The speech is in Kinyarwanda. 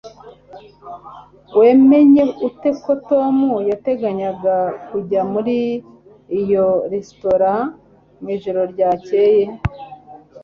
Wamenye ute ko Tom yateganyaga kurya muri iyo resitora mwijoro ryakeye?